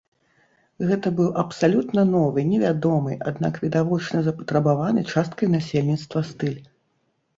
Гэта быў абсалютна новы, не вядомы, аднак відавочна запатрабаваны часткай насельніцтва стыль.